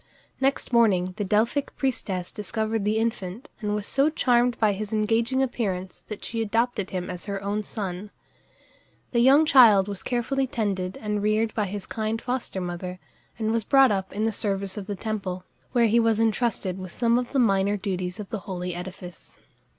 Next morning the Delphic priestess discovered the infant, and was so charmed by his engaging appearance that she adopted him as her own son. The young child was carefully tended and reared by his kind foster mother, and was brought up in the service of the temple, where he was intrusted with some of the minor duties of the holy edifice.